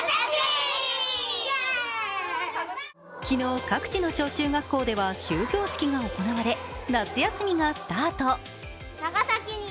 昨日、各地の小中学校では終業式が行われ夏休みがスタート。